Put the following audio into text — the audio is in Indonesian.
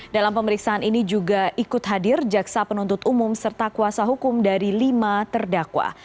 dalam pemeriksaan ini juga ikut hadir jaksa penuntut umum serta kuasa hukum dari lima terdakwa